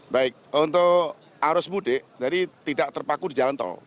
baik untuk arus mudik jadi tidak terpaku di jalan tol